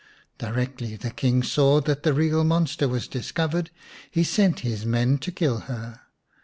Directly the King saw that the real monster was discovered he sent his men to kill her.